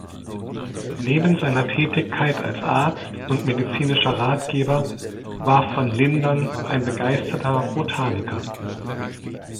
Neben seiner Tätigkeit als Arzt und medizinischer Ratgeber war von Lindern ein begeisterter Botaniker.